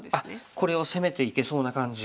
これを攻めていけそうな感じ。